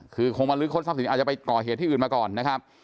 คือคงมาลื้อค้นทรัพย์สินอาจจะไปก่อเหตุที่อื่นมาก่อนนะครับ